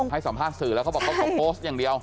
ให้สัมภาษณ์สื่อแล้วเขาบอกเขาขอโพสต์อย่างเดียว